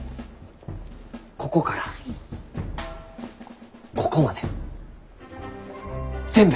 ここからここまで全部。